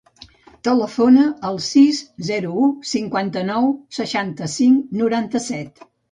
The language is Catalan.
Telefona al sis, zero, u, cinquanta-nou, seixanta-cinc, noranta-set.